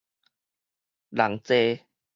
人災